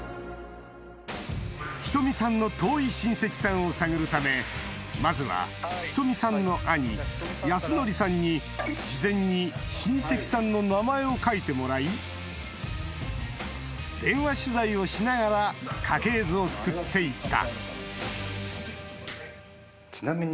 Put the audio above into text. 瞳さんの遠い親戚さんを探るためまずは瞳さんの兄靖則さんに事前に親戚さんの名前を書いてもらい電話取材をしながら家系図を作って行ったちなみに。